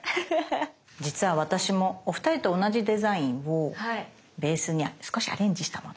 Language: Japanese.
実は私もお二人と同じデザインをベースに少しアレンジしたもの。